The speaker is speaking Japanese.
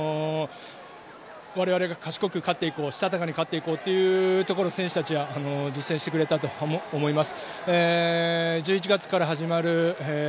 我々が賢く勝っていこうしたたかに勝っていこうというところを、選手たちは実践してくれたと思います。